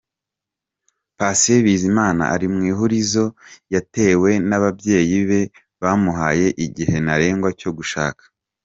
Patient Bizimana ari mu ihurizo yatewe n'ababyeyi be bamuhaye igihe ntarengwa cyo gushaka.